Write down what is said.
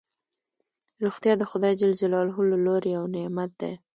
روغتیا دخدای ج له لوری یو نعمت دی